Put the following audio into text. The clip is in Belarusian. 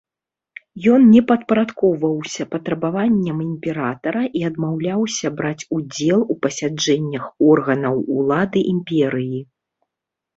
Ён не падпарадкоўваўся патрабаванням імператара і адмаўляўся браць удзел у пасяджэннях органаў улады імперыі.